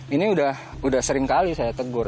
ini sudah sering kali saya tegur